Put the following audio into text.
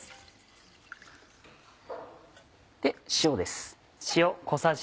塩です。